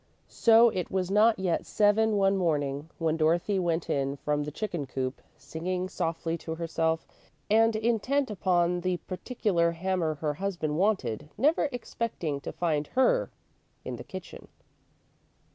So it was not yet seven one morning when Dorothy went in from the chicken coop, singing softly to herself, and intent upon the particular hammer her husband wanted, never expecting to find Her in the kitchen.